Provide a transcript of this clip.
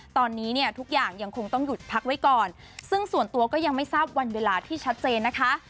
ตอนนี้เนี่ยทุกอย่างยังคงต้องหยุดพักไว้ก่อนซึ่งส่วนตัวก็ยังไม่ทราบวันเวลาที่ชัดเจนนะคะ